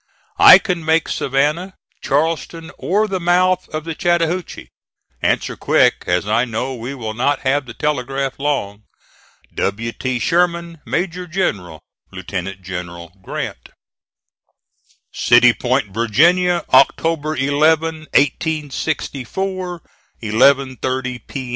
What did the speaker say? I can make Savannah, Charleston, or the mouth of the Chattahoochee. "Answer quick, as I know we will not have the telegraph long. "W. T. SHERMAN, Major General. "LIEUTENANT GENERAL GRANT." "CITY POINT, VIRGINIA, "October 11,1864 11.30 P.